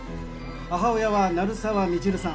母親は鳴沢未知留さん